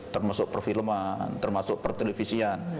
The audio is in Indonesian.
termasuk perfilman termasuk pertelevisian